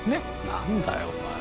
何だよお前。